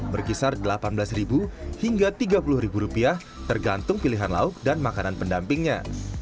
berkisar rp delapan belas hingga rp tiga puluh rupiah tergantung pilihan lauk dan makanan pendampingnya